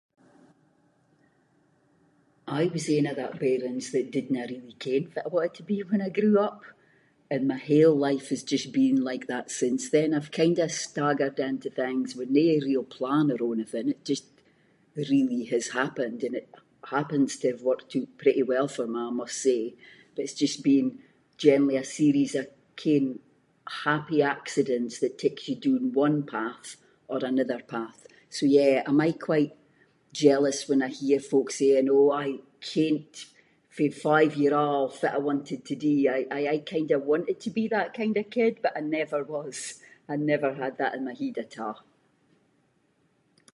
I was ain of that bairns that didnae really ken fitt I wanted to be when I grew up, and my whole life has just been like that since then, I’ve kind of staggered into things with no real plan or onything, it just really has happened and it happens to have worked oot pretty well for me I must say. But it’s just been generally a series of ken happy accidents that takes you doon one path or another path. So yeah, I’m aie quite jealous when I hear folk saying “oh I kent fae five year old fitt I wanted to do” I- I aie kind of wanted to be that kind of kid, but I never was, I never had that in my heid at a’.